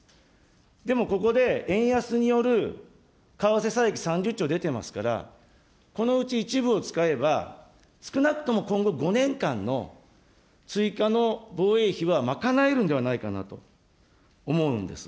でもここで円安による為替差益３０兆出てますから、このうち一部を使えば、少なくとも今後、５年間の追加の防衛費は賄えるんではないかなと思うんです。